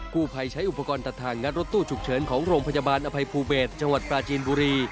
ผู้ภัยใช้อุปกรณ์ตัดทางงัดรถตู้ฉุกเฉินของโรงพยาบาลอภัยภูเบศจังหวัดปราจีนบุรี